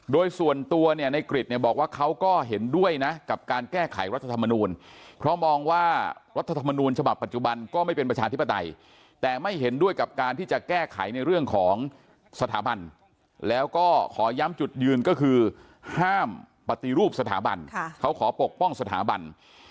โดยส่วนตัวเนี่ยในกริจเนี่ยบอกว่าเขาก็เห็นด้วยนะกับการแก้ไขรัฐธรรมนูลเพราะมองว่ารัฐธรรมนูญฉบับปัจจุบันก็ไม่เป็นประชาธิปไตยแต่ไม่เห็นด้วยกับการที่จะแก้ไขในเรื่องของสถาบันแล้วก็ขอย้ำจุดยืนก็คือห้ามปฏิรูปสถาบันเขาขอปกป้องสถาบัน